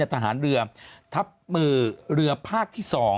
ทหารเรือทับมือเรือภาคที่๒